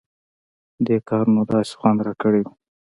دې کار نو داسې خوند راکړى و.